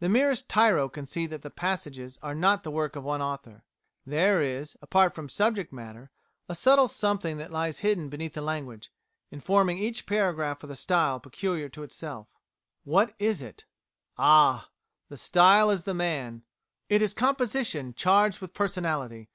The merest tyro can see that the passages are not the work of one author; there is, apart from subject matter, a subtle something that lies hidden beneath the language, informing each paragraph with a style peculiar to itself. What is it? Ah! The style is the man. It is composition charged with personality.